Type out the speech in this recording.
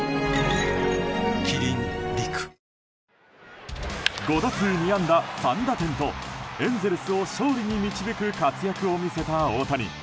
キリン「陸」５打数２安打３打点とエンゼルスを勝利に導く活躍を見せた大谷。